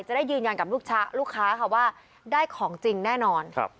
จะได้ยืนยันกับลูกค้าค่ะว่าได้ของจริงแน่นอน